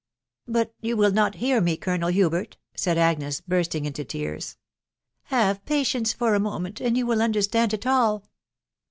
" But you will not hear me, Colonel Hubert," said Agnes, bursting into tears. " Have patience for a moment, and you will understand it all."